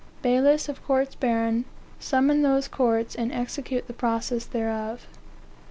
"Bailiffs of courts baron summon those courts, and execute the process thereof.